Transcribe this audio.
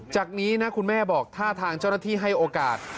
จากนี้นะคุณแม่บอกท่าทางเจ้าหน้าที่ให้โอกาส